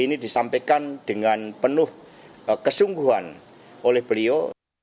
ini disampaikan dengan penuh kesungguhan oleh beliau